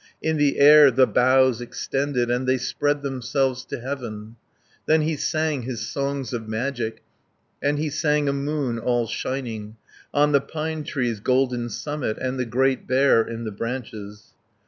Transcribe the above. In the air the boughs extended, And they spread themselves to heaven. Then he sang his songs of magic, And he sang a moon all shining, 40 On the pine tree's golden summit; And the Great Bear in the branches.